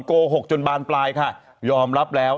โกหกจนบานปลายค่ะยอมรับแล้ว